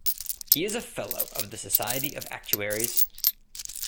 He is a fellow of the Society of Actuaries.